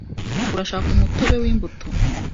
Urashaka umutobe wimbuto?